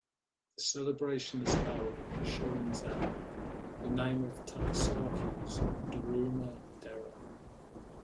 The celebration is held at the Shorinzan, the name of Takasaki's "Daruma-Dera".